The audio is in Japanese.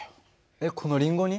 えっこのりんごに？